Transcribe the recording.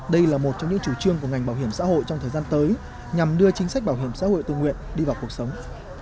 đây là một trong những chủ trương của ngành bảo hiểm xã hội trong thời gian tới nhằm đưa chính sách bảo hiểm xã hội tự nguyện đi vào cuộc sống